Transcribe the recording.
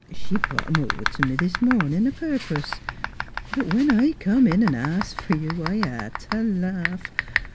She brought 'em over t' me this mornin' a purpose. But when I come in an' asked fer you I hed t' laugh.